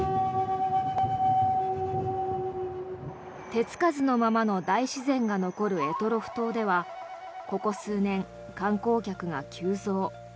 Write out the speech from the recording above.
手付かずのままの大自然が残る択捉島ではここ数年、観光客が急増。